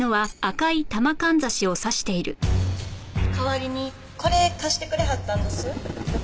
代わりにこれ貸してくれはったんどす。